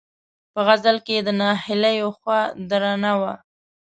په غزل کې یې د ناهیلیو خوا درنه وه.